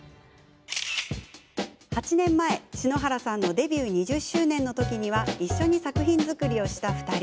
８年前、篠原さんのデビュー２０周年の時には一緒に作品作りをした２人。